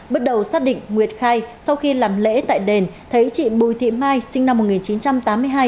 bước đầu xác định nguyệt khai sau khi làm lễ tại đền thấy chị bùi thị mai sinh năm một nghìn chín trăm tám mươi hai